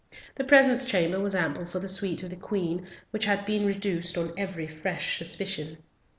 The presence chamber was ample for the suite of the Queen, which had been reduced on every fresh suspicion.